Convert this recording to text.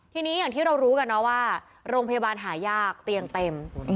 ทีนี้อย่างที่เรารู้กันนะว่าโรงพยาบาลหายากเตียงเต็ม